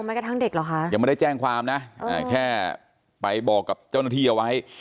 กระทั่งเด็กเหรอคะยังไม่ได้แจ้งความนะแค่ไปบอกกับเจ้าหน้าที่เอาไว้